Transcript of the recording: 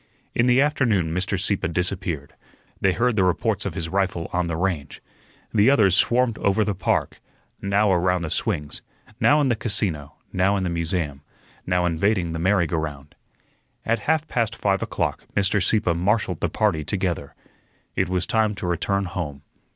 In the afternoon Mr. Sieppe disappeared. They heard the reports of his rifle on the range. The others swarmed over the park, now around the swings, now in the Casino, now in the museum, now invading the merry go round. At half past five o'clock Mr. Sieppe marshalled the party together. It was time to return home.